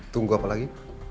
tunggu apa lagi